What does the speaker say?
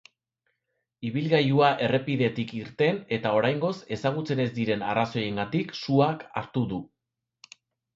Ibilgailua errepidetik irten eta oraingoz ezagutzen ez diren arrazoiengatik suak hartu du.